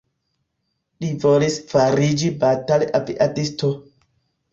Li volis fariĝi batal-aviadisto.